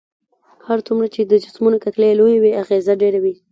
هر څومره چې د جسمونو کتلې لويې وي اغیزه ډیره وي.